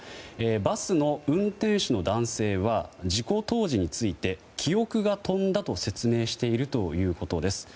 バスの運転手の男性は事故当時について記憶が飛んだと説明しているということです。